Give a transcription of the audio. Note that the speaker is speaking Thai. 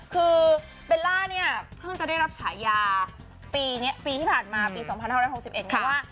คือเบลล่าเนี่ยเพิ่งจะได้รับฉายาปีนี้ปีที่ผ่านมาปี๒๕๖๑นี้ว่า